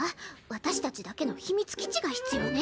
私たちだけの秘密基地が必要ね！